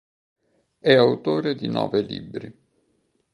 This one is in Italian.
È autore di nove libri.